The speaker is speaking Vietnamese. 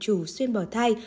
chủ xuyên bảo thai